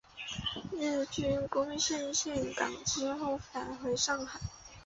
日军攻陷陷港之后返回上海。